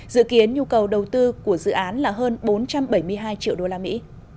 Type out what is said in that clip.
dự kiến nhu cầu đầu tư của dự án là hơn bốn trăm bảy mươi hai triệu đô la mỹ